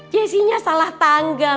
jessenya salah tanggal